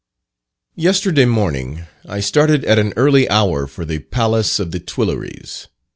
Yesterday morning I started at an early hour for the Palace of the Tuileries.